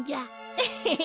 エヘヘ！